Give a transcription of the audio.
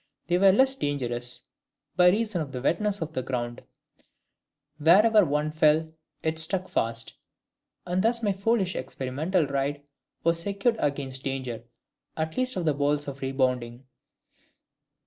They were less dangerous, by reason of the wetness of the ground: wherever one fell, it stuck fast. And thus my foolish experimental ride was secured against the danger at least of the balls rebounding.